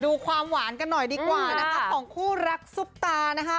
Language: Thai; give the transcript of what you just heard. ดูความหวานกันหน่อยดีกว่านะคะของคู่รักซุปตานะคะ